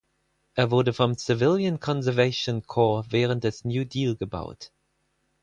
Es wurde vom Civilian Conservation Corps während des New Deal gebaut.